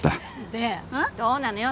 でどうなのよ